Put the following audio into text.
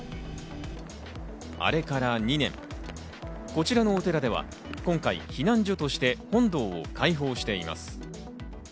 あれから２年、こちらのお寺では今回、避難所として本堂を開放しています。